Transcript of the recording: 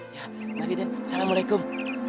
ya mari dan assalamu'alaikum